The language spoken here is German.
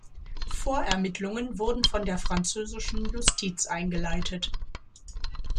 Vorermittlungen wurden von der französischen Justiz eingeleitet.